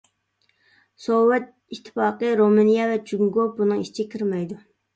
سوۋېت ئىتتىپاقى، رۇمىنىيە ۋە جۇڭگو بۇنىڭ ئىچىگە كىرمەيدۇ.